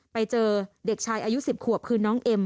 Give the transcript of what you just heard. ไปเจอเด็กชายอายุ๑๐ขวบคือน้องเอ็ม